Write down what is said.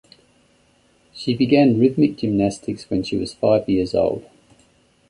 She began rhythmic gymnastics when she was five years old.